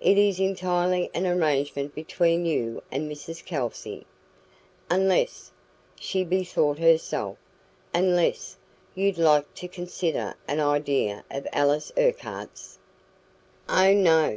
It is entirely an arrangement between you and Mrs Kelsey. Unless," she bethought herself "unless you'd like to consider an idea of Alice Urquhart's " "Oh, no!"